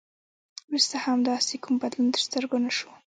وروسته هم داسې کوم بدلون تر سترګو نه شو.